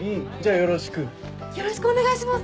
よろしくお願いします！